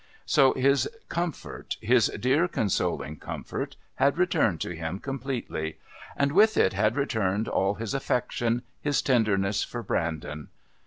So his comfort, his dear consoling comfort, had returned to him completely. And with it had returned all his affection, his tenderness for Brandon.